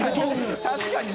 確かに！